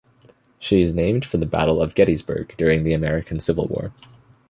She is named for the Battle of Gettysburg during the American Civil War.